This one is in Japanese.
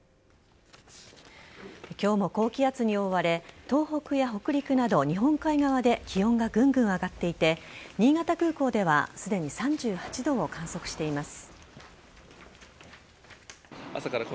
今日も高気圧に覆われ東北や北陸など日本海側で気温がぐんぐん上がっていて新潟空港ではすでに３８度を観測しています。